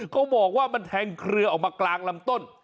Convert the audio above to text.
เขาบอกว่ามันแทงเครือออกมากลางลำต้น